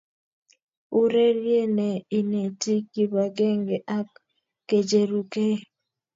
Urerie ne inetii kibakenge ak kecherukei.